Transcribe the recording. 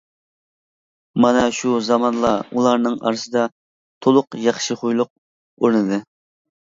مانا شۇ زامانلا ئۇلارنىڭ ئارىسىدا تولۇق ياخشى خۇيلۇق ئورنىدى.